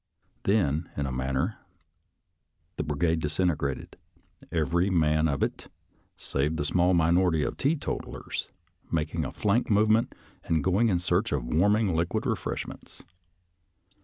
Then, in a man ner, the brigade disintegrated, every man of it, save the small minority of teetotallers, making a flank movement, and going in search of warm ing liquid refreshments.